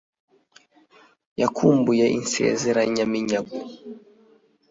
yakumbuye insezeraminyago.